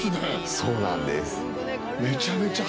そうなんです。